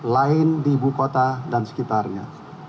lain di ibu kota dan sekitarnya